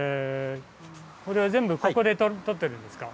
これは全部ここでとっているんですか？